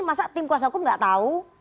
masa tim kuasa hukum nggak tahu